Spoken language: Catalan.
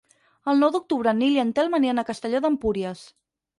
El nou d'octubre en Nil i en Telm aniran a Castelló d'Empúries.